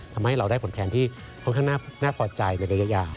ทำให้เราได้ผลแทนที่ค่อนข้างน่าพอใจในระยะ